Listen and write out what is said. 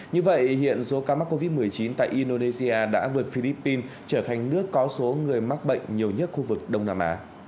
như vậy hiện số ca mắc covid một mươi chín tại indonesia đã vượt philippines trở thành nước có số người mắc bệnh nhiều nhất khu vực đông nam á